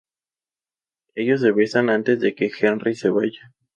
Ellos se besan antes de que Henry se vaya.